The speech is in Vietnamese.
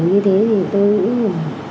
như thế thì tôi nghĩ là